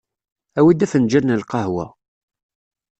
Awi-d afenǧal n lqahwa